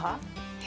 え？